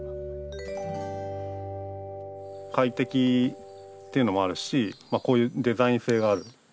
快適っていうのもあるしこういうデザイン性がある。